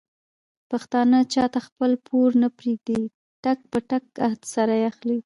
پښتانه چاته خپل پور نه پرېږدي ټک په ټک سره اخلي.